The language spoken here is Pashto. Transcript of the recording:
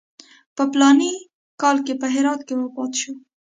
په فلاني کال کې په هرات کې وفات شو.